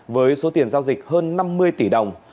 với số tiền giao dịch hơn năm mươi tỷ đồng